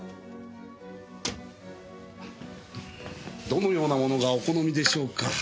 どのようなものがお好みでしょうか？